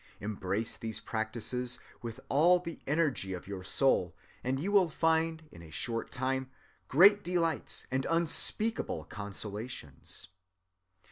"Embrace these practices with all the energy of your soul and you will find in a short time great delights and unspeakable consolations.